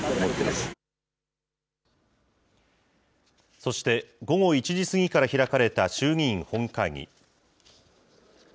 そして、午後１時過ぎから開かれた衆議院本会議。